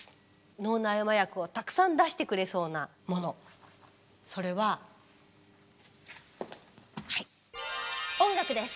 脳内麻薬をたくさん出してくれそうなものそれは音楽です！